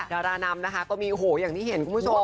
ดารานำนะคะก็มีโอ้โหอย่างที่เห็นคุณผู้ชม